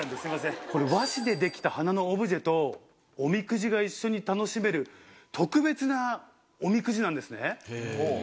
これ和紙で出来た花のオブジェとおみくじが一緒に楽しめる特別なおみくじなんですね。